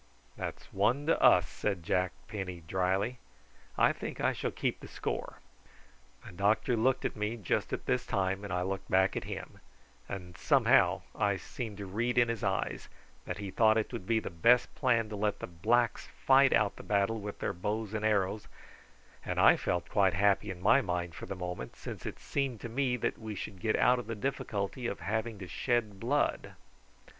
"That's one to us," said Jack Penny drily. "I think I shall keep the score." The doctor looked at me just at this time and I looked back at him; and somehow I seemed to read in his eyes that he thought it would be the best plan to let the blacks fight out the battle with their bows and arrows, and I felt quite happy in my mind for the moment, since it seemed to me that we should get out of the difficulty of having to shed blood.